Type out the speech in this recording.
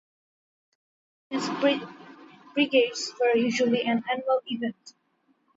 These brigades were usually an annual event.